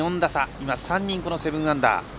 今、３人、７アンダー。